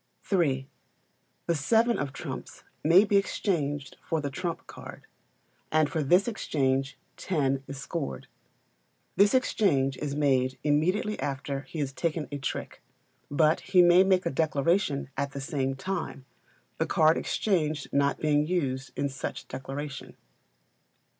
iii. The seven of trumps may be exchanged for the trump card, and for this exchange ten is scored. This exchange is made immediately after he has taken a trick, but he may make a declaration at the same time, the card exchanged not being used in such declaration.